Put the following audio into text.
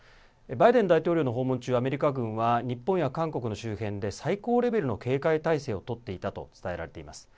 バイデン大統領の訪問中アメリカ軍は日本や韓国の周辺で最高レベルの警戒態勢を取っていたと伝えられています。